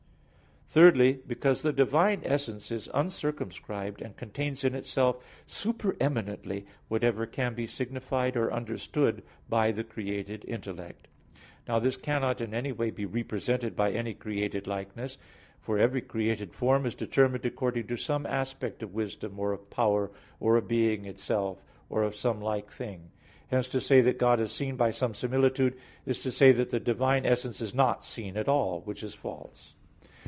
Thirdly, because the divine essence is uncircumscribed, and contains in itself super eminently whatever can be signified or understood by the created intellect. Now this cannot in any way be represented by any created likeness; for every created form is determined according to some aspect of wisdom, or of power, or of being itself, or of some like thing. Hence to say that God is seen by some similitude, is to say that the divine essence is not seen at all; which is false.